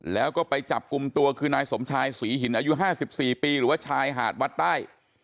แล้วก็ไปจับกลุ่มตัวคือนายสมชายศรีหินอายุ๕๔ปีหรือว่าชายหาดวัดใต้